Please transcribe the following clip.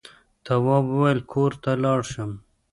تواب وويل: کور ته لاړ شم.